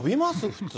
普通。